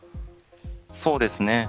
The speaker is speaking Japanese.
そうですね。